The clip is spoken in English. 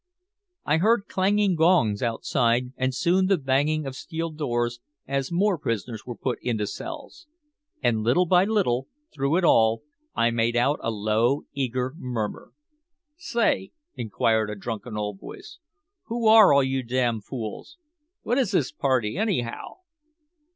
I heard clanging gongs outside and soon the banging of steel doors as more prisoners were put into cells. And little by little, through it all, I made out a low, eager murmur. "Say," inquired a drunken old voice. "Who are all you damn fools? What is this party, anyhow?"